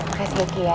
terima kasih gigi ya